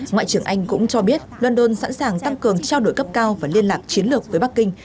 ngoại trưởng anh cũng cho biết london sẵn sàng tăng cường trao đổi cấp cao và liên lạc chiến lược với bắc kinh